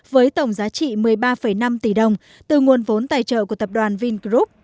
với tổng giá trị một mươi ba năm tỷ đồng từ nguồn vốn tài trợ của tập đoàn vingroup